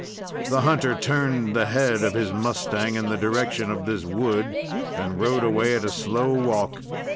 The hunter turned the head of his mustang in the direction of this wood, and rode away at a slow walk.